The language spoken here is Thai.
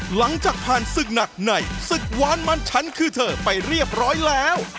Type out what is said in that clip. หลังจากผ่านศึกหนักในศึกวานมันฉันคือเธอไปเรียบร้อยแล้ว